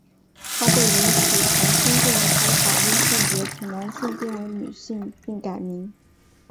她被允许重新定义她的法律性别从男性变为女性并改名。